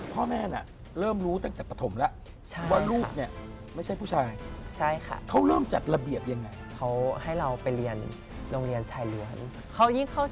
พ่อแม่น่ะเริ่มรู้ตั้งแต่ปฐมละ